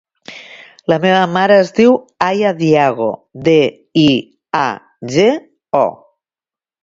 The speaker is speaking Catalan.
La meva mare es diu Aya Diago: de, i, a, ge, o.